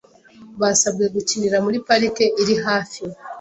Basabwe gukinira muri parike iri hafi .